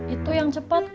itu yang cepet